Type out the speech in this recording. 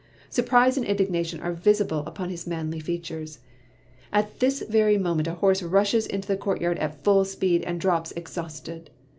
Surprise and indignation are visible upon his manly features. At this very moment a horse rushes into the courtyard at full speed and drops exhausted.